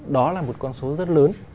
đó là một con số rất lớn